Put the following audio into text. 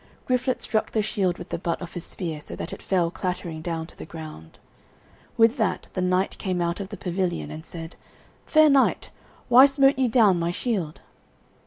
Griflet struck the shield with the butt of his spear, so that it fell clattering down to the ground. With that the knight came out of the pavilion and said, "Fair knight, why smote ye down my shield?"